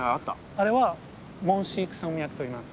あれはモンシーク山脈といいます。